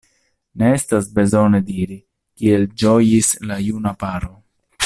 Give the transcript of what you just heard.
Ne estas bezone diri, kiel ĝojis la juna paro.